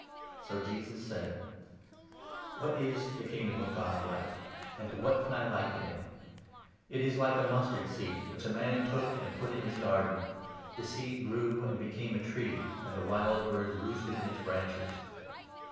So Jesus said : 18 Parable "What is the Kingdom of God like? and to or the what can I liken it? It is like a mustard seed 19 Mustard Seed. which a man took and put in his garden. The seed grew and became a tree, and ' the wild birds roosted in its branches.'